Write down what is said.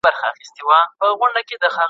مور باید خپل رول کم ونه ګڼي.